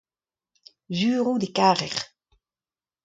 sur out e karec'h.